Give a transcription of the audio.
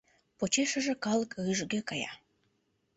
Почешыже калык рӱжге кая.